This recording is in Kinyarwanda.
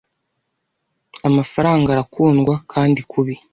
amafaranga arakundwa kandi kubi